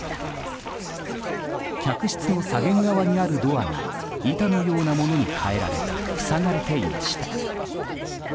客室の左舷側にあるドアが板のようなものに替えられ塞がれていました。